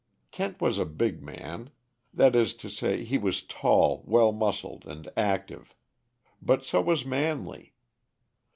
Kent was a big man; that is to say, he was tall, well muscled and active. But so was Manley.